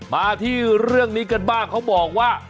มาที่เรื่องนี้กันบ้างเขาบอกว่า